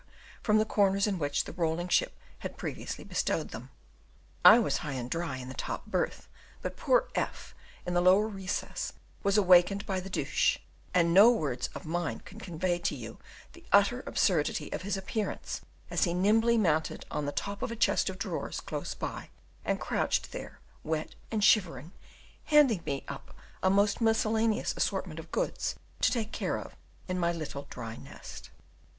from the corners in which the rolling of the ship had previously bestowed them. I was high and dry in the top berth, but poor F in the lower recess was awakened by the douche, and no words of mine can convey to you the utter absurdity of his appearance, as he nimbly mounted on the top of a chest of drawers close by, and crouched there, wet and shivering, handing me up a most miscellaneous assortment of goods to take care of in my little dry nest.